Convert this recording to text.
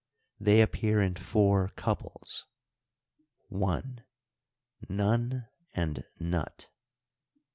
They appear in four couples: i. Nun and Nut\ 2.